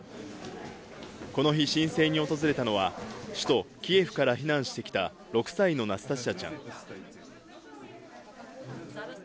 この日、申請に訪れたのは、首都キエフから避難してきた６歳のナスタシアちゃん。